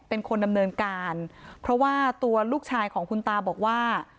เป็นคนดำเนินการเพราะว่าตัวลูกชายของคุณตาบอกว่า